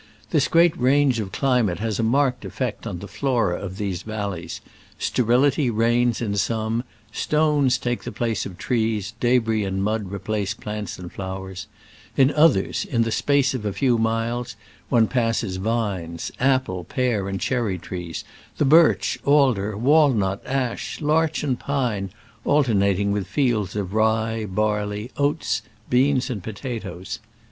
This great range of climate has a marked effect on the flora of these valleys : sterility reigns in some, stones take the place of trees, debris and mud replace plants and flowers : in others, in the space of a few miles, one passes vines, apple, pear and cherry trees, the birch, alder, walnut, ash, larch and pine alternating with fields of rye, barley, oats, beans and potatoes.